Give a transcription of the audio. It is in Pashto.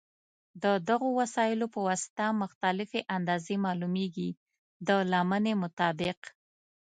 د دغو وسایلو په واسطه مختلفې اندازې معلومېږي د لمنې مطابق.